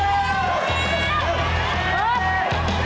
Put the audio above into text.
แรงค่ะสู้แรง